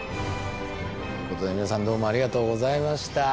ということで皆さんどうもありがとうございました。